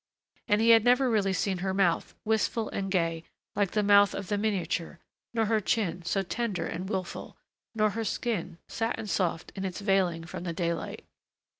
And he had never really seen her mouth wistful and gay, like the mouth of the miniature ... nor her chin, so tender and willful ... nor her skin, satin soft, in its veiling from the daylight....